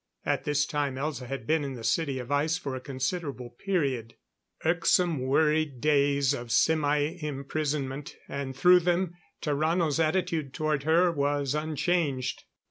At this time Elza had been in the City of Ice for a considerable period. Irksome, worried days of semi imprisonment; and through them, Tarrano's attitude toward her was unchanged.